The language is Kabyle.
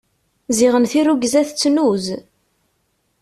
Ziɣen tirrugza tettnuz.